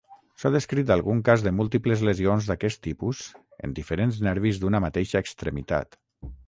S'ha descrit algun cas de múltiples lesions d'aquest tipus en diferents nervis d'una mateixa extremitat.